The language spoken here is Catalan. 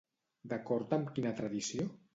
D'acord amb quina tradició?